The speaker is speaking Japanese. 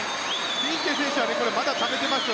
フィンケ選手はまだためてますよ。